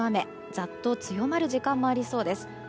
ざっと強まる時間もありそうです。